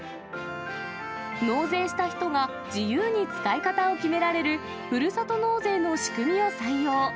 納税した人が自由に使い方を決められるふるさと納税の仕組みを採用。